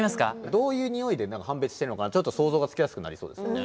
どういうニオイで判別してるのかちょっと想像がつきやすくなりそうですよね。